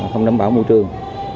không đảm bảo môi trường